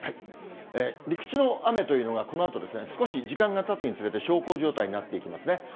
陸地の雨というのがこのあと、少し時間がたつにつれて小康状態になっていきますね。